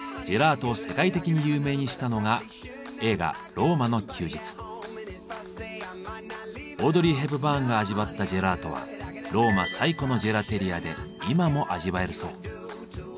ジェラートを世界的に有名にしたのがオードリー・ヘプバーンが味わったジェラートはローマ最古のジェラテリアで今も味わえるそう。